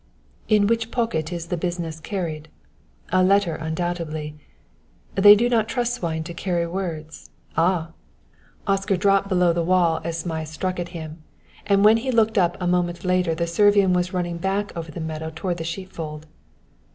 "In which pocket is the business carried? A letter undoubtedly. They do not trust swine to carry words Ah!" Oscar dropped below the wall as Zmai struck at him; when he looked up a moment later the Servian was running back over the meadow toward the sheepfold.